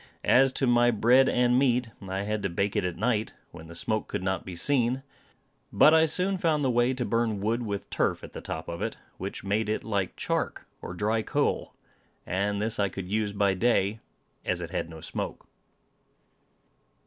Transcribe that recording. As to my bread and meat, I had to bake it at night when the smoke could not be seen. But I soon found the way to burn wood with turf at the top of it, which made it like chark, or dry coal; and this I could use by day, as it had no smoke.